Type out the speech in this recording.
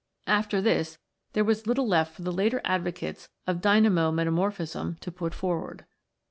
After this, there was little left for the later advocates of dynamo metaniorphism to put forward.